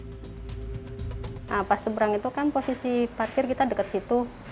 nah pas seberang itu kan posisi parkir kita dekat situ